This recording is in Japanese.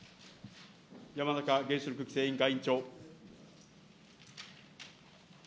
山中原子力規制委員会委員長。